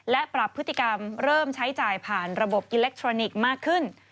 และปรับพฤติกรรมเริ่มใช้จ่ายผ่านระบบอิเล็กทรอนิกส์มากขึ้น